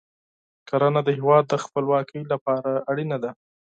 کرنه د هیواد د خپلواکۍ لپاره مهمه ده.